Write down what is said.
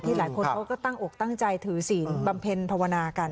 หลายคนเขาก็ตั้งอกตั้งใจถือศีลบำเพ็ญภาวนากัน